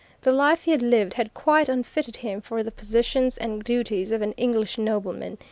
The life he had lived had quite unfitted him for the positions and duties of an English nobleman.